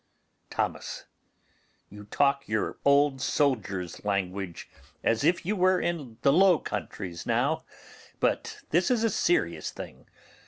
Thomas. You talk your old soldier's language, as if you were in the Low Countries now, but this is a serious thing.